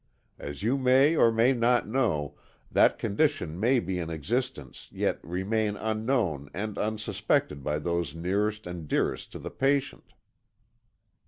As you may or may not know, that condition may be in existence yet remain unknown and unsuspected by those nearest and dearest to the patient."